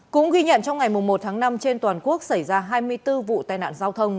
cũng ghi nhận trong ngày một tháng năm trên toàn quốc xảy ra hai mươi bốn vụ tai nạn giao thông